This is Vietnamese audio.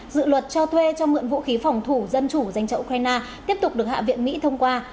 dự luật cho thuê cho mượn vũ khí phòng thủ dân chủ dành cho ukraine tiếp tục được hạ viện mỹ thông qua